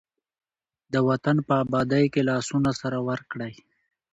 د وطن په ابادۍ کې لاسونه سره ورکړئ.